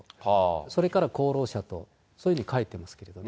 それから功労者と、そういうふうに書いてますけれどもね。